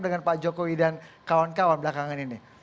dengan pak jokowi dan kawan kawan belakangan ini